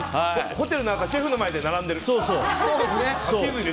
ホテルのシェフの前で並んでる。